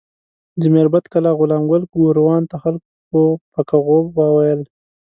د میربت کلا غلام ګل ګوروان ته خلکو پک غوبه ویل.